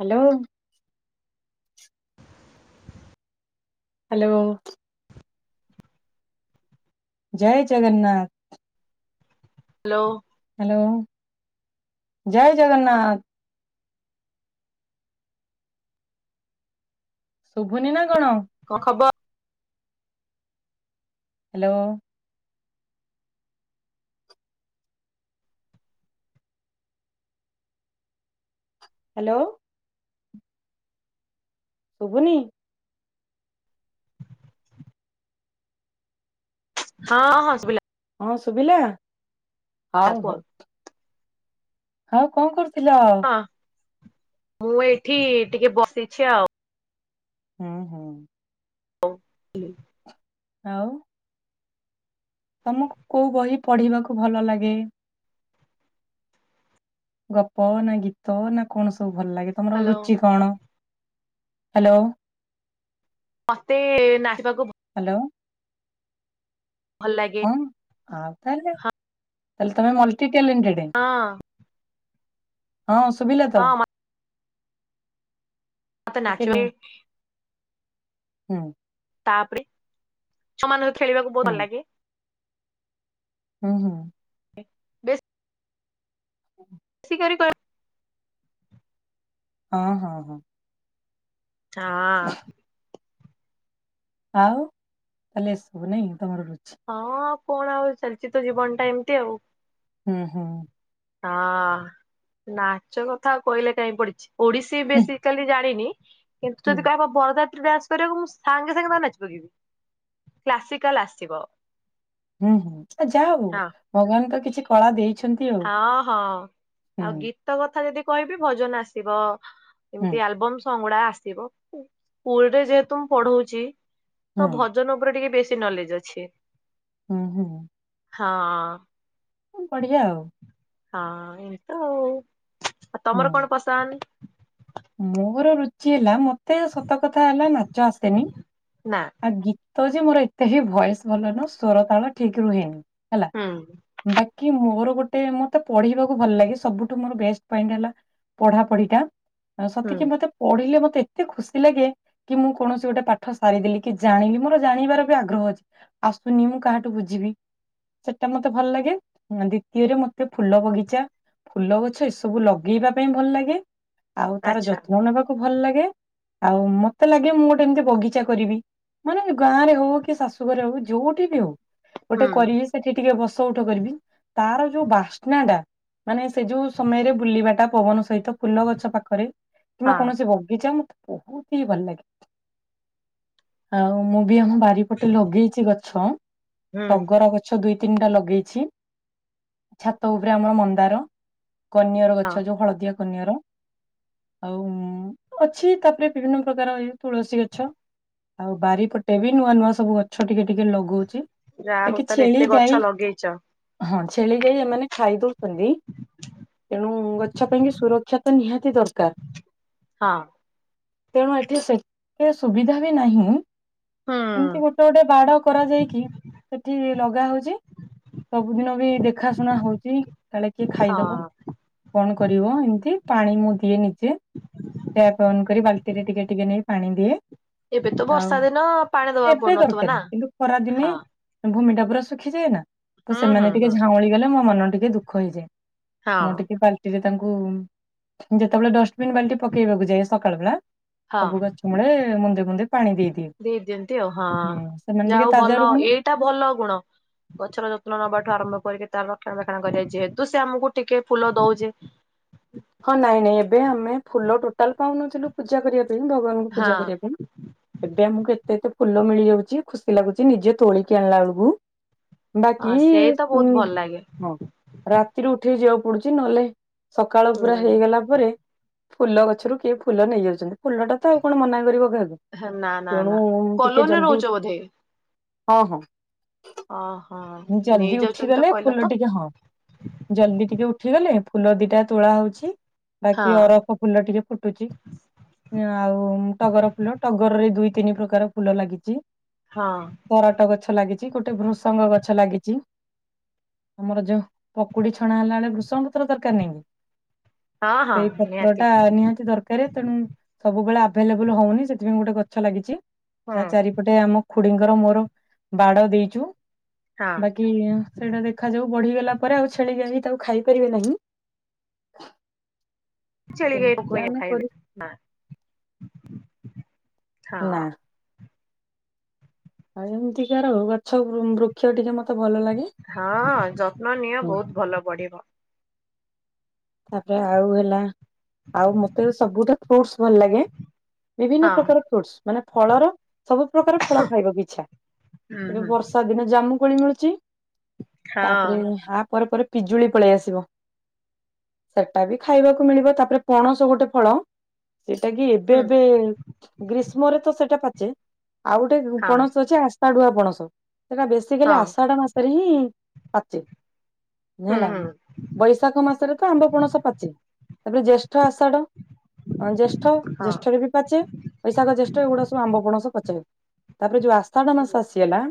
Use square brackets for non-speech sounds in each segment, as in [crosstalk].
Hello hello ଜୟ Jagannath hello hello ଜୟ ଜଗନ୍ନାଥ। ଶୁଭୁନି ନା କଣ। କଣ ଖବର? ହ୍ୟାଲୋ। ହ୍ୟାଲୋ ଶୁଭୁନି। ହଁ ହଁ ଶୁଭିଲା। ହଁ ଶୁଭିଲା। ହଉ କୁହ ହଉ। ଆଉ କଣ କରୁଥିଲ? ହଁ ମୁଁ ଏଇଠି ଟିକେ ବସିଛି ଆଉ। ହୁଁ ହୁଁ ହଉ ହ [inaudible] ଆଉ ତମକୁ କୋଉ ବହି ପଢିବାକୁ ଭଲ ଲାଗେ? ଗପ ନା ଗୀତ ନା କଣ ସବୁ ଭଲ ଲାଗେ ତମର ହ୍ୟାଲୋ ରୁଚି କଣ? ହ୍ୟାଲୋ ମତେ ନାଚିବାକୁ ଭଲ ହ୍ୟାଲୋ ଭଲ ଲାଗେ। ତା ତା ହଁ ତମ ମଲଟି ଟେଲେଟେଡ [unintelligible] ହଁ ସୁବିଲା ତ। ହଁ ମତେ ତ କି ନାଚିବା ହୁଁ [unintelligible] ତାପରେ ଛୁଆ ମାନଙ୍କ ଖେଳିବାକୁ ବହୁତ ଭଲ ଲାଗେ। ହୁଁ ହଁ। ବେଶ [inaudible] ହୁଁ [unintelligible] [unintelligible] କରି ହଁ ହଁ ହଁ। ହଁ। ଆଉ ତାହଲେ ଏସବୁ ନାଇଁ ତମର ରୁଚି ହଁ କଣ ଆଉ ଚାଲିଛି ତୋ ଜୀବନ ଟା ଏମିତି ଆଉ। ହୁଁ ହୁଁ। ହଁ ନାଚ କଥା ଆଉ କହିଲେ କାହିଁ ପଡିଛି। ଓଡିଶୀ ହୁଁ ବେସିକାଲି ଜାଣିନି କିନ୍ତୁ ହୁଁ ଯଦି କହିବ ବରଯାତ୍ରୀ ଡାନ୍ସ କରିବାକୁ ମୁଁ ସାଙ୍ଗେ ସାଙ୍ଗେ ତ ନାଚି ପକେଇବି କ୍ଲାସିକାଲ ଆସିବ। ଏ ହଁ ଏ ଯା ହଉ ହଁ ଭଗବାନ ତ କିଛି କଳା ଦେଇଛନ୍ତି ଆଉ। ହଁ। ତ କଥା ଯଦି କହିବି ଭଜନ ଆସିବ, ହୁଁ ଏମିତି ଆଲବମ୍ ସଙ୍ଗ ଗୁଡା ଆସିବ ସ୍କୁଲ୍ ରେ ଯେହେତୁ ମୁଁ ପଢଉଛି ହୁଁ ତ ଭ ଜନ ଉପରେ ଟିକେ ବେଶୀ ନଲେଜ୍ ଅଛି। ହୁଁ, ହୁଁ। ହଁ। ଉଁ, ପଢିବା ଆଉ। ହଁ ଇନ୍ତୁ ଆ, ତୋମର ହୁଁ। କଣ ପସନ୍ଦ? ମୋର ରୁଚି ହେଲା ମୋତେ ସତକଥା ହେଲା ନାଚ ଆସେନି। ନା ଆ, ଗୀତ ଯେ ମୋର ଏତେ ହି ଭଏସ୍ ଭଲ ନ ସ୍ୱର ତାଳ ଠିକ ରୁହେନି ହେଲା। ହଁ। ବାକି ମୋର ଗୋଟେ ମୋତେ ପଢିବାକୁ ଭଲ ଲାଗେ। ସବୁଠୁ ମୋର ବେଷ୍ଟ ପଏଣ୍ଟ ହେଲା ପଢାପଢି ଟା ଅଁ, ହୁଁ ସେତେକି ମୋତେ ପଢିଲେ ମୋତେ ଏତେ ଖୁସି ଲାଗେ। କି ମୁଁ କୌଣସି ଗୋଟେ ପାଠ ସାରିଦେଲି କି ଜାଣିଲି ମୋର ଜାଣିବାର ବି ଆଗ୍ରହ ଅଛି। ଆସୁନି ମୁଁ କାହାଠୁ ବୁଝିବି। ସେଟା ମୋତେ ଭଲ ଲାଗେ। ଅଁ, ଦ୍ଵିତୀୟରେ ମୋତେ ଫୁଲ ବଗିଚା ଫୁଲ ଗଛ ଏସବୁ ଲଗେଇବା ପାଇଁ ଭଲ ଲାଗେ। ଆଉ ତାର ଆଚ୍ଛା ଯତ୍ନ ନେବାକୁ ଭଲ ଲାଗେ। ଆଉ ମୋତେ ଲାଗେ ମୁଁ ଗୋଟେ ଏମତି ବଗିଚା କରିବି। ମାନେ ଗାଁ ରେ ହଉ କି ଶାଶୁଘରେ ହଉ ଯୋଉଠି ବି ହଉ ହୁଁ ଗୋଟେ କରିବି। ସେଠି ଟିକେ ବସ ଉଠ କରିବି ତାର ଯୋଉ ବାସ୍ନା ଟା ମାନେ ସେ ଯୋଉ ସମୟରେ ବୁଲିବା ଟା ପବନ ସହିତ ଫୁଲ ଗଛ ପା ଖରେ କିମ୍ବା ହଁ କୌଣସି ବଗିଚା ମୁଁ ବହୁତ ହି ଭଲ ଲାଗେ। ଆଉ ମୁଁ ବି ଆମ ବାରିପଟେ ଲଗେଇଛି ଗଛ। ଛ ହୁଁ। ଟଗର ଗ ଛ ଦୁଇ ତିନିଟା ଲଗେଇଛି, ଛାତ ଉପରେ ଆମର ମନ୍ଦାର କନିଅର ଗଛ ଯୋଉ ହଳଦିଆ କନିଅର ଆଉ ଉଁ, ଅଛି ତାପରେ ବିଭିନ୍ନ ପ୍ରକାର ଇଏ ତୁଳସୀ ଗଛ। ଆଉ ବାରିପଟେ ବି ନୂଆ ନୂଆ ସବୁ ଗଛ ଟିକେ ଟିକେ ଲଗଉଛି। ଯାହା ହଉ ବାକି ତାହେଲେ ଛେଳି ଏତେ ଗାଈ ଗଛ ଲଗେଇଚ। ହଁ ଛେଳି ଗାଈ ଏମାନେ ଖାଇ ଦଉଛନ୍ତି। ତେଣୁ ଗଛ ପାଇଁକି ସୁରକ୍ଷା ତ ନିହାତି ଦରକାର। ହଁ। ତେଣୁ ଏଠି ସେତେ ସୁବିଧା ବି ନାହିଁ। ହୁଁ ଏମିତି ଗୋଟେ ଗୋଟେ ବାଡ କରାଯାାଇକି ସେଠି ଲଗା ହଉଚି। ସବୁଦିନ ବି ଦେଖା ଶୁଣା ହଉଚି କାଳେ କିଏ ଖାଇଦବ। ହଁ। କଣ କରିବ ଏମିତି ପାଣି ମୁଁ ଦିଏ ନିଜେ ଟ୍ୟାପ୍ ଅନ୍ କରି ବାଲ୍ ଟିରେ ଟିକେ ଟିକେ ନେଇ ପାଣି ଦିଏ। ଏବେ ତ ବର୍ଷା ଆଉ ଦିନ ପାଣି ଦବାକୁ ଏବେ ପଡୁନଥିବ ଦରକାର ନା ନାହିଁ। କିନ୍ତୁ ଖରାଦିନେ ହଁ ଭୂମି ଟା ପୁରା ଶୁଖିଯାଏ ନା, ତ ହୁଁ ହୁଁ ସେମାନେ ହୁଁ। ଟିକେ ଝାଉଁଳି ଗଲେ ମୋ ମନ ଟିକେ ଦୁଃଖ ହେଇଯାଏ। ମୁଁ ହଁ ଟିକେ ବାଲ୍ଟିରେ ତାଙ୍କୁ ଯେତେବେଳେ ଡଷ୍ଟବିନ୍ ବାଲ୍ଟି ପକେଇବାକୁ ଯାଏ ସକାଳ ବେଳା ହଁ ସବୁ ଗଛ ମୂଳେ ମୁନ୍ଦେ ମୁନ୍ଦେ ପାଣି ଦେଇଦିଏ। ଦେଇ ଦିଅନ୍ତି ହୁଁ, ସେମାନେ ଟିକେ ତାଜା ରୁହନ୍ତି। ଏଟା ଭଲ ଗୁଣ। ଗଛର ଯତ୍ନ ନବାଠୁ ଆରମ୍ଭ କରିକି ତାର ରକ୍ଷଣ ବେକ୍ଷଣା କରିବା ଯେହେତୁ ସେ ଆମକୁ ଟିକେ ଫୁଲ ଦଉଚି। ହଁ ନାଇଁ ନାଇଁ ଏବେ ଆମେ ଫୁଲ ଟୋଟାଲ ପାଉନଥିଲୁ ପୂଜା କରିବା ପାଇଁ, ଭଗବାନଙ୍କୁ ହଁ ପୂଜା କରିବା ପାଇଁ। ଏବେ ଆମକୁ ଏତେ ଏତେ ଫୁଲ ମିଳିଯାଉଛି, ଖୁସି ଲାଗୁଚି ନିଜେ ତୋଳିକି ଆଣିଲା ବେଳକୁ। ହଁ ବାକି ସେଇ ତ ଉଁ, ବହୁତ ଭଲ ଲାଗେ। ହଁ ରାତିରୁ ଉଠିକି ଯିବାକୁ ପଡୁଚି ନହେଲେ କାଳ ପୁରା ହେଇଗଲା ପରେ ଫୁଲ ଗଛରୁ କିଏ ଫୁଲ ନେଇ ଯାଉଛନ୍ତି। ଫୁଲଟା ତ ଆଉ କଣ ମନା କରିବ କାହାକୁ। ନା ନା ତେଣୁ ନା ଟିକେ କଲୋନୀରେ ଜଲଦି ଉ ରହୁଛ ବୋଧେ? [inaudible] ହଁ ହଁ ଓହୋ ଜଲଦି ନେଇଯାଉଛନ୍ତି ତ ଉଠିଗଲେ କହିଲ ତ ଫୁଲ ଟିକେ ହଁ। ଜଲଦି ଟିକେ ଉଠିଗଲେ ଫୁଲ ଦିଟା ତୋଳା ହଉଛି ହଁ ବାକି ଅରଫ ଫୁଲ ଟିକେ ଫୁଟୁଛି। ଆଉ ଟଗର ଫୁଲ ଟଗରରେ ଦୁଇ ତିନି ପ୍ରକାର ଫୁଲ ଲାଗିଛି। ହଁ। କରାଟ ଗଛ ଲାଗିଛି ଗୋଟେ ଭୃସଙ୍ଗ ଗଛ ଲାଗିଛି। ଆମର ଯୋଉ ପକୁଡି ଛଣା ହେଲା ବେଳେ ବୃଷଙ୍ଗ ପତ୍ର ଦରକାର ନାଇ ହଁ ହଁ ସେଇ ପତ୍ର ନିହାତି ଟା ନିହାତି ଦର କାର ତେଣୁ ସବୁବେଳେ ଆଭେଲେବଲ୍ ହଉନି ସେଥିପାଇଁ ଗୋଟେ ଗଛ ଲାଗିଛି ହୁଁ ତା ଚାରି ଗୋଟେ ଆମ ଖୁଡିଙ୍କର ମୋର ବାଡ ଦେଇଛୁ ହଁ ବାକି କି ସେଇଟା ଦେଖାଯାଉ ବଢିଗଲା ପରେ ଆଉ ଛେଳିିକି ଗାଈ ତାକୁ ଖାଇ ପାରିବେ ନାହିଁ। ଛେଳି ଏମିତିକା ଗାଇ ଆମେ କରୁ ଖାଇବେ ନା ହଁ। ଆଉ ଏମିତିକ ର ଗଛ ବୃକ୍ଷ ଟିକେ ମତେ ଭଲ ଲାଗେ। ହଁ ଯତ୍ନ ନିଅ ବହୁତ ଭଲ ବଢିବ। ତାପରେ ଆଉ ହେଲା ଆଉ ମତେ ସବୁ ଟା ଫ୍ରୁଟ୍ସ ଭଲ ଲାଗେ। ବିଭିନ୍ନ ହଁ ପ୍ରକାର ଫ୍ରୁଟ୍ସ ମାନେ ଫଳର ସବୁ ପ୍ରକାର ଫଳ ଖାଇବାକୁ ଇଛା। ହୁଁ ଏବେ ହୁଁ ବର୍ଷା ଦିନ ଜାମୁ କୋଳି ମିଳୁଛି। ତାପରେ ହଁ ଆ ପରେ ପରେ ପିଜୁଳି ପଳେଇ ଆସିବ। ସେଟା ବି ଖାଇବାକୁ ମିଳିବ ତାପରେ ପଣସ ଗୋଟେ ଫଳ ସେଟା କି ଏବେ ହୁଁ ଏବେ ଗ୍ରୀଷ୍ମରେ ତ ସେଇଟା ପାଚେ ଆଉ ଗୋଟେ ହଁ ପଣସ ଅଛି ଆସ୍ତା ଡୁଆ ପଣସ ସେଟା ବେଶୀ ବେଶିକାଲି ହଁ ଆଷାଢ ମାସରେ ହିଁ ପାଚେ ହୁଁ ହେଲା ହୁଁ ବୈଶାଖ ମାସରେ ଆମ୍ୱ ପଣସ ପାଚେ ତାପରେ ଜେଷ୍ଠ ଆଷାଢ ଜେଷ୍ଠ ହଁ ଜେଷ୍ଠରେ ବି ପାଚେ ବୈଶାଖ ଜେଷ୍ଟ ଏଗୁଡା ସବୁ ଆମ୍ବ ପଣସ ପଚେନି ତାପରେ ଯୋଉ ଆଷାଢ଼ ମାସ ଆସିଗଲା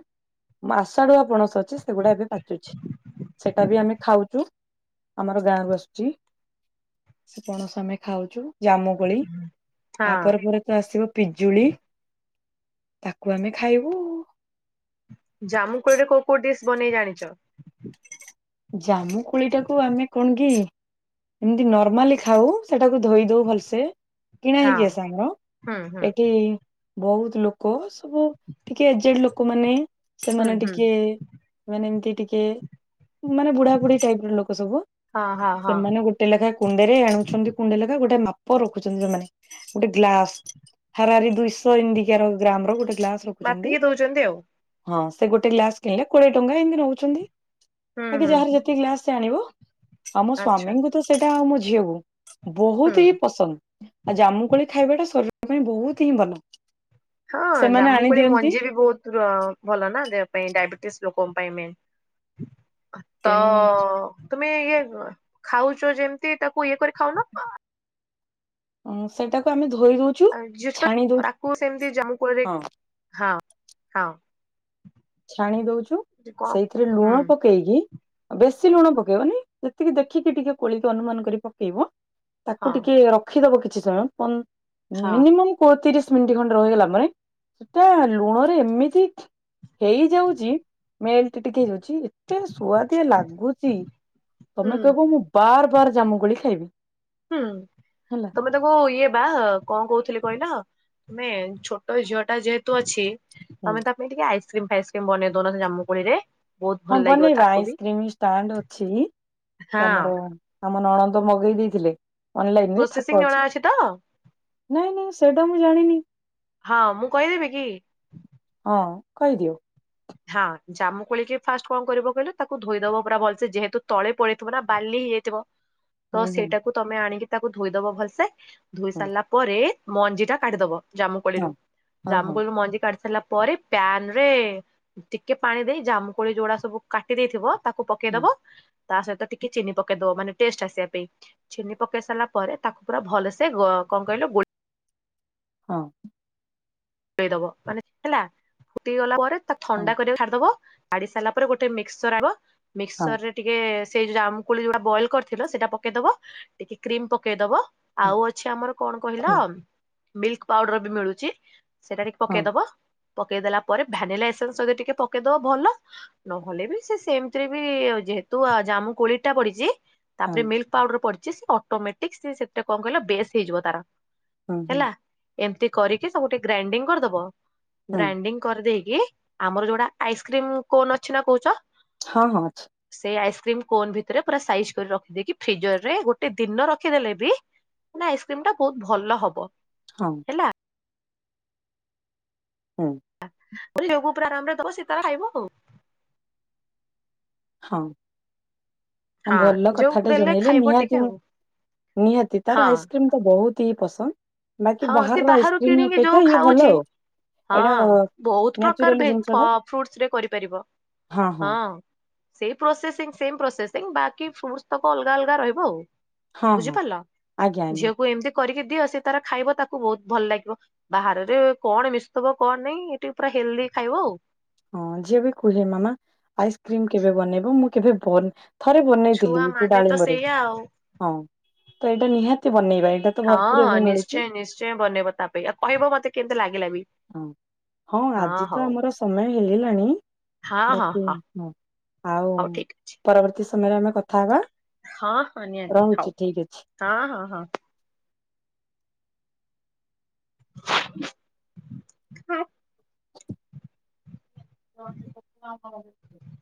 ମାଶାଡୁଆ ପଣସ ଅଛି ସେଗୁଡା ଏବେ ପାଚୁଛି। ସେଇଟା ବି ଆମେ ଖାଉଛୁ ଆମର ଗାଁରୁ ଆସୁ ଚି ସେ ପଣସ ଆମେ ଖାଉଛୁ। ଜାମୁ ଗୋଳି ହଁ ତାପରେ ପରେ ତ ଆସିବ ପିଜୁଳି ତାକୁ ଆମେ ଖାଇବୁ ଜାମୁ କୋଳିରେ କୋଉ କୋଉ ଡିସ୍ ବନେଇ ଜାଣିଛ? ଜାମୁ କୋଳି ଟାକୁ ଆମେ କଣ କି ଏମିତି ନର୍ମାଲି ଖାଉ ସେଟାକୁ ଧୋଇ ଦଉ ଭଲସେ। କିଣା ହଁ ହେଇକି ଆସେ ଆମର ହୁଁ ହୁଁ ଏଠି ବହୁତ ଲୋକ ସବୁ ଟିକେ ଏଜେଡ ଲୋକ ମାନେ। ହୁଁ ସେମାନେ ହୁଁ ଟିକେ ମାନେ ଏମତି ଟିକେ ମାନେ ବୁଢା ବୁଢ଼ୀ ଟାଇପ ର ଲୋକ ସବୁ ହଁ ହଁ ହଁ ସେମାନେ ଗୋ ଟେ ଲେଖାଏ କୁଣ୍ଡ ରେ ଆଣୁଛନ୍ତି କୁଣ୍ଡେ ଲେଖାଏ ଗୋଟେ ମାପ ରଖୁଛନ୍ତି ସେମାନେ ଗୋଟେ ଗ୍ଲାସ ହାରାରି ଦୁଇଶହ ଏମିତି କିୟାର ଗ୍ରାମ ର ଗୋଟେ ଗ୍ଲାସ ହଁ ସେ ରଖୁଛନ୍ତି ମାପିକି ଦଉଛନ୍ତି ଆଉ ହଁ ସେ ଗୋଟେ ଗ୍ଲାସ କିଣିଲେ କୋଡିଏ ଟଙ୍କା ଏମିତି ନଉଛନ୍ତି। ହୁଁ ବାକି ହୁଁ ଯାହାର ଯେତିକି ଗ୍ଲାସ ଆଣିବ ଆମ ଆଚ୍ଛା ସ୍ଵାମୀଙ୍କୁ ତ ସେଇଟା ଆଉ ମୋ ଝିଅକୁ ହୁଁ ବହୁତ ହିଁ ପସନ୍ଦ ଆଉ ଜାମୁକୋଳି ଖାଇବା ଟା ଶରୀର ପାଇଁ ବହୁତ ହିଁ ଭଲ। ହଁ ସେମାନେ ଜାମୁ ଆଣି କୋଳି ଦିଅନ୍ତି ମଞ୍ଜି ବି ବହୁତ ର ଭଲ ନା ଦେହ ପାଇଁ ଡାଇବେଟିସ ଲୋକଙ୍କ ପାଇଁ ମେନ୍ ତ ତେଣୁ ତୁମେ ଇଏ ଖାଉଛ ଯେମିତି ତାକୁ ଇଏ କରି ଖାଉନ। ହଁ ସେଟାକୁ ଆମେ ଧୋଇ ଦଉ ହଁ [unintelligible] ଛାଣି ଦଉଛୁ କଣ ସେଇଥିରେ ହୁଁ ଲୁଣ ପକେଇକି ବେଶୀ ଲୁଣ ପକେଇବନି ଯେତିକି ଦେଖିକି ଟିକେ କୋଳିକି ଅନୁମାନ କରି ପକେଇବ। ତାକୁ ହଁ ଟିକେ ରଖିଦବ କିଛି ସମୟ ହଁ ମିନିମମ୍ କୋ ତିରିଶ ମିନିଟ୍ ଖଣ୍ଡେ ରହିଗଲା ପରେ ସେଟା ଲୁଣରେ ଏମିତି ହେଇଯାଉଛି ମେଲ୍ଟ ଟିକେ ହେଇଯାଉଛି। ଏତେ ସୁଆଦିଆ ଲାଗୁଚି! ହୁଁ ତମେ କହିବ ମୁଁ ବାର୍ ବାର୍ ଜାମୁକୋଳି ଖାଇବି। ହୁଁ ହେଲା ତମେ ତାକୁ ଇଏ ବା, କଣ କହୁଥିଲି କହିଲ, ତୁମେ ଛୋଟ ଝିଅଟା ଯେହେତୁ ଅଛି ତମେ ତା' ପାଇଁ ଟିକେ ଆଇସ୍କ୍ରିମ୍ ଫାଇସକ୍ରିମ୍ ବନେଇଦଉନ ସେ ଜାମୁ କୋଳିରେ। ହଁ, ବନେଇବା। ଆଇସ୍କ୍ରିମି ଷ୍ଟାଣ୍ଡ ଅଛି, ହଁ ତମୋର ଆମ ନଣନ୍ଦ ମଗେଇ ଦେଇଥିଲେ। ଅନଲାଇନ୍ ରେ ପ୍ରୋସେସିଂ ଥାକ ଜଣା ଅଛି। ତ ନାଇଁ ନାଇଁ ସେଇଟା ମୁଁ ଜାଣିନି? ହଁ, ମୁଁ କହିଦେବି କି? ଅଁ କହିଦିଅ। ହଁ, ଜାମୁ କୋଳିକି ଫାଷ୍ଟ କଣ କରିବ କହିଲ? ତାକୁ ଧୋଇଦବ ପୁରା ଭଲ୍ ସେ ଯେହେତୁ ତଳେ ପଡିଥିବ ନା, ବାଲି ହେଇଯାଇଥିବ। [unintelligible] ତ ସେଇଟାକୁ ତମେ ଆଣିକି ତାକୁ ଧୋଇଦବ ଭଲ୍ ସେ। ଧୋଇ ହୁଁ ସାରିଲା ପରେ ମଞ୍ଜି ଟା କାଢ଼ିଦବ। ଜାମୁ ହଁ କୋଳିରୁୁ, ଜାମୁ ହଁ କୋଳିରୁ ମଞ୍ଜି କାଢ଼ି ସାରିଲା, ପରେ ପ୍ୟାନ ରେ ଟିକେ ପାଣି ଦେଇ ଜାମୁକୋଳି ଯୋଉ ଗୁଡା ସବୁ କାଟି ଦେଇଥିବ। ତାକୁ ହଁ ପକେଇଦବ। ତା ସହିତ ଟିକେ ଚିନି ପକେଇ ଦବ। ମାନେ ଟେଷ୍ଟ ଆସିବା ପାଇଁ। ଚିନି ପକେଇ ସାରିଲା ପରେ, ତାକୁ ପୁରା ଭଲସେ ଗ କଣ କହିଲ ଗୋଳ ହଁ। ଫୁଟେଇ ଦବ ମାନେ ହେଲା, ଫୁଟି ଗଲା ପରେ ତା ହଁ ଥଣ୍ଡା କରିବାକୁ ଛାଡ଼ିଦବ। ଆଡି ସାରିଲା ପରେ, ଗୋଟେ ମିକ୍ସର ଆବ। ହଁ ମିକ୍ସର ରେ ଟିକେ ସେଇ ଯୋଉ, ଜାମୁକୋଳି ଯୋଉଟା ବଏଲ କରିଥିଲ। ସେଇଟା ପକେଇଦବ। ଟିକେ କ୍ରିମ୍ ପକେଇଦବ। ଆଉ ଅଛି, ଆମର କଣ କହିଲ? ହଁ ମିଲ୍କ ପାଉଡର୍ ବି ମିଳୁଛି। ସେଇଟା ଟିକେ ହଁ ପକେଇଦବ। ପକେଇଦଲା ପରେ, ଭ୍ୟାନିଲା ଏସେନ୍ସ ସହିତ ଟିକେ ପକେଇଦବ ଭଲ। ନହେଲେ ବି, ସେ ସେମିତିରେ ବି ଯେହେତୁ ଜାମୁ କୋଳି ଟା ପଡିଛି। ହଁ ତା'ପରେ ମିଲ୍କ ପାଉଡ଼ର ପଡିଛି, ସ ଅଟୋମେଟିକ୍ ସେ ସେଥିରେ କଣ କହିଲ, ବେଶ୍ ହେଇଯିବ ତାର। ହୁଁ ହୁଁ ହେଲା, ଏମିତି କରିକି ସବୁ ଟିକେ ଗ୍ରାଇଣ୍ଡିଙ୍ଗ କରିଦବ। ହୁଁ ଗ୍ରାଇଣ୍ଡିଙ୍ଗ କରିଦେଇକି ଆମର ଯୋଉଟା ଆଇସ୍କ୍ରିମ୍ କୋନ୍ ଅଛି ନା କହୁଛ? ହଁ, ହଁ ଅଛି। ସେଇ ଆଇସ୍କ୍ରିମ୍ କୋନ୍ ଭିତରେ ପୁରା ସାଇଜ୍ କରି ରଖିଦେଇକି, ଫ୍ରିଜର ରେ ଗୋଟେ ଦିନ ରଖିଦେଲେ ବି ମାନେ ଆଇସ୍କ୍ରିମ୍ ଟା ବହୁତ ଭଲ ହବ। ହଁ। ହେଲା ହୁଁ। ମୋ [inaudible] ପୁରା ଆରାମରେ ଦବ, ସେ ତାର ଖାଇବ ଆଉ। ହଁ। ହଁ, ଭଲ ଯୋଉ କଥାଟେ ଦେଲେ ଜଣେଇଲେ। ଖାଇବ ଟିକେ ନିହାତି, ଆଉ ମୁଁ ନିହାତି ହଁ ତାର ଆଇସ୍କ୍ରିମ୍ ତ ବହୁତ ହି ପସନ୍ଦ ବାକି, ହଁ ସେ ବାହାରର ବାହାରୁ ଆଇସ୍କ୍ରିମ୍ କିଣିକି ଯୋଉ ଅପେକ୍ଷା ଇଏ ଖାଉଛି ଭଲ ଆଉ। ହଁ, ଏଇଟା ବହୁତ ପ୍ରକାର ନ୍ୟାଚୁରାଲି ଭେ ଜିନିଷ ଟା ଫ୍ରୁଟସ୍ ରେ କରିପାରିବ। ହଁ। ସେଇ ପ୍ରୋସେସିଂ, ସେମ ପ୍ରୋସେସିଂ, ବାକି ଫ୍ରୁଡ୍ସ ତକ ଅଲଗା ଅଲଗା ରହିବ ଆଉ। ହଁ ହଁ ବୁଝିପାରିଲ! ଆଜ୍ଞା ଆଜ୍ଞା ଝିଅକୁ ଏମିତି କରିକି ଦିଅ, ସେ ତାର ଖାଇବ। ତାକୁ ବହୁତ ଭଲ ଲାଗିବ। ବାହରରେ କଣ ମିଶୁଥିବ କଣ ନାଇଁ? ଏଠି ପୁରା ହେଲ୍ଦି ଖାଇବ ଆଉ। ହଁ, ଝିଅ ବି କୁହେ ମାମା ଆଇସ୍କ୍ରିମ୍ କେବେ ବନେଇବ? ମୁଁ କେଭେ ବନ ଥରେ ବନେଇଥିଲି, ଛୁଆ ମାନେ ତ ଡାଳିମ୍ବରେ। ସେଇଆ ଆଉ। ହଁ, ତ ଏଇଟା ନିହାତି ବନେଇବା। ଏଇଟା ତ ଭରପୁର ହଁଁ, ଏବେ ମିଳୁଛି ନିଶ୍ଚୟ ନିଶ୍ଚୟ ବନେଇବ ତା ପାଇଁ। ଆଉ କହିବ ମତେ କେମିତି ଲାଗିଲା ବି? ହଁ ହଁ, ଆଜି ତ ଆମର ସ ସମୟ ହେଇଲାଣି। ହଁ ହଁ ବାକି ହଁ, ଆଉ ହଉ ଠିକ ଅଛି ପରବର୍ତ୍ତୀ ସମୟରେ ଆମେ କଥା ହବା। ହଁ ହଁ ନିହାତି ହଉ ରହୁଛି ଠିକ୍ ଅଛି। ହଁ, ହଁ, ହଁ। ହୁଁ ହା। [inaudible]